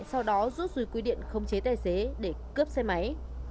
sau đó rút ruột quy điện không chế tài xế để cướp xe máy